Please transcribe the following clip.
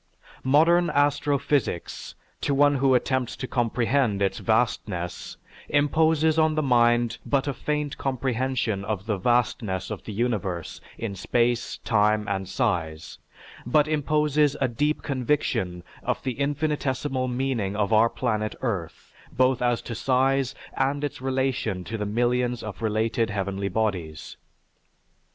Modern astrophysics, to one who attempts to comprehend its vastness, imposes on the mind but a faint comprehension of the vastness of the universe in space, time, and size; but imposes a deep conviction of the infinitesimal meaning of our planet Earth, both as to size and its relation to the millions of related heavenly bodies.